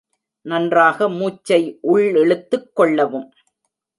நன்றாக மூச்சை உள்ளிழுத்துக் கொள்ளவும்.